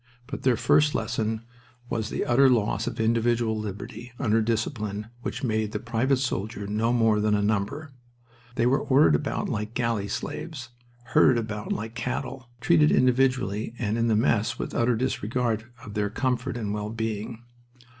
But their first lesson was the utter loss of individual liberty under a discipline which made the private soldier no more than a number. They were ordered about like galley slaves, herded about like cattle, treated individually and in the mass with utter disregard of their comfort and well being.